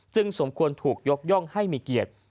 สมควรถูกยกย่องให้มีเกียรติ